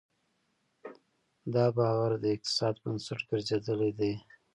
دا باور د اقتصاد بنسټ ګرځېدلی دی.